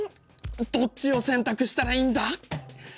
どっちを選択したらいいんだ！？